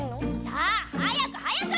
さあ早く早く！